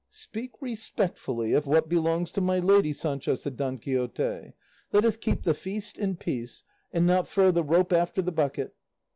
"Speak respectfully of what belongs to my lady, Sancho," said Don Quixote; "let us keep the feast in peace, and not throw the rope after the bucket."